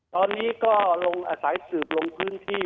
ตอนนี้ก็ลงอาศัยสืบลงพื้นที่